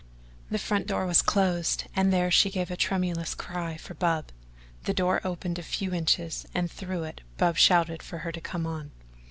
The front door was closed and there she gave a tremulous cry for Bub. The door opened a few inches and through it Bub shouted for her to come on.